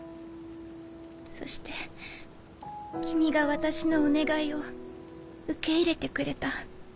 そして君が私のお願いを受け入れてくれた。